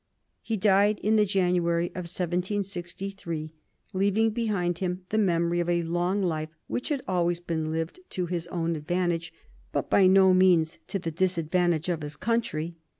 He died in the January of 1763, leaving behind him the memory of a long life which had always been lived to his own advantage but by no means to the disadvantage of his country.